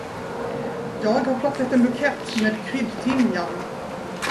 Jag har plockat en bukett med kryddtimjan.